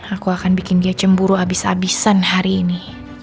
aku akan bikin dia cemburu abis abisan hari ini